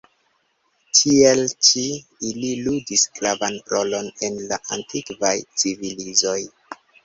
Tiel ĉi, ili ludis gravan rolon en la antikvaj civilizoj.